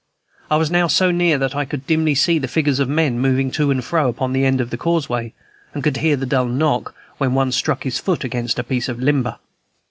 I was now so near that I could dimly see the figures of men moving to and fro upon the end of the causeway, and could hear the dull knock, when one struck his foot against a piece of limber.